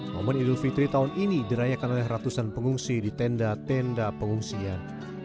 momen idul fitri tahun ini dirayakan oleh ratusan pengungsi di tenda tenda pengungsian